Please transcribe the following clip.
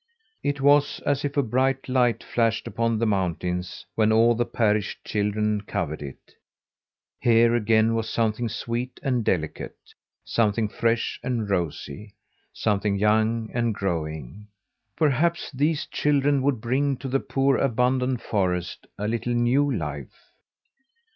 It was as if a bright light flashed upon the mountain when all the parish children covered it. Here again was something sweet and delicate; something fresh and rosy; something young and growing. Perhaps these children would bring to the poor abandoned forest a little new life.